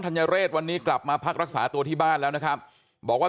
ัญเรศวันนี้กลับมาพักรักษาตัวที่บ้านแล้วนะครับบอกว่า